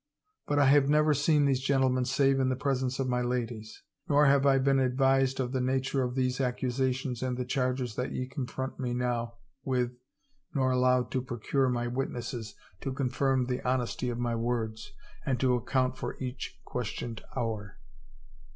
But I have never seen these gentlemen save in the presence of my ladies, nor have I been ad vised of the nature of these accusations and the charges that ye confront me now with, nor allowed to procure my witnesses to confirm the honesty of my words, and to account for each questioned hour.